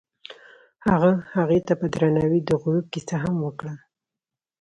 هغه هغې ته په درناوي د غروب کیسه هم وکړه.